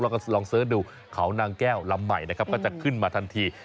แล้วก็ลองเสิร์ชดูเขานางแก้วลำใหม่นะครับก็จะขึ้นมาทันที